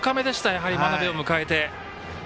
やはり真鍋を迎えて。